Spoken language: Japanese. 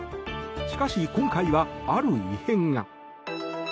しかし、今回はある異変が。